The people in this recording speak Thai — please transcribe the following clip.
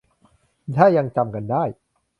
ถ้ายังจำกันได้